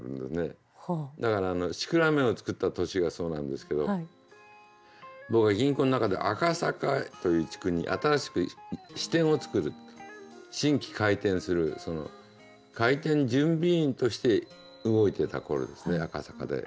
だから「シクラメン」を作った年がそうなんですけど僕銀行の中で赤坂という地区に新しく支店を作る新規開店するその開店準備委員として動いてた頃ですね赤坂で。